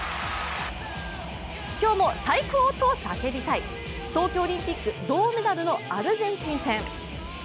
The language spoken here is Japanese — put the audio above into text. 今日も最高！と叫びたい、東京オリンピック銅メダルのアルゼンチン戦。